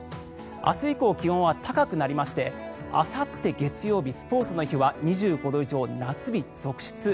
明日以降、気温は高くなりましてあさって月曜日、スポーツの日は２５度以上、夏日続出。